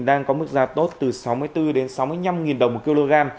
đang có mức giá tốt từ sáu mươi bốn đến sáu mươi năm đồng một kg